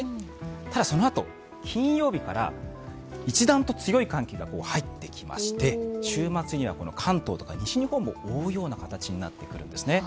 ただそのあと、金曜日から一段と強い寒気が入ってきまして、週末には関東とか西日本も覆うような形になるんです。